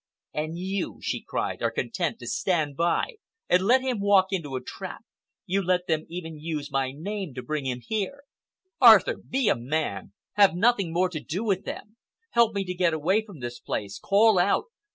"And you," she cried, "are content to stand by and let him walk into a trap—you let them even use my name to bring him here! Arthur, be a man! Have nothing more to do with them. Help me to get away from this place. Call out.